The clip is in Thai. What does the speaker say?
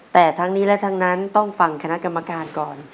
แต่ทั้งนี้และทั้งนั้นต้องฟังคณะกรรมการก่อน